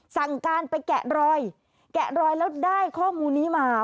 สั่งการไปแกะรอยแกะรอยแล้วได้ข้อมูลนี้มา